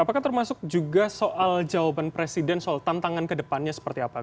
apakah termasuk juga soal jawaban presiden soal tantangan kedepannya seperti apa